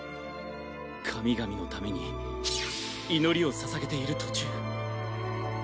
神々のために祈りをささげている途中。